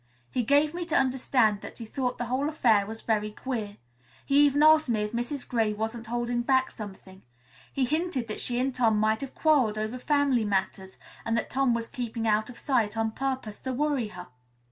He gave me to understand that he thought the whole affair was very queer. He even asked me if Mrs. Gray wasn't holding back something. He hinted that she and Tom might have quarreled over family matters and that Tom was keeping out of sight on purpose to worry her.